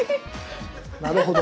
なるほど。